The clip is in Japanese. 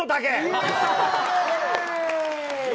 イエーイ！